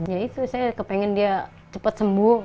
ya itu saya kepengen dia cepat sembuh